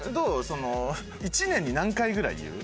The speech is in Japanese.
その１年に何回ぐらい言う？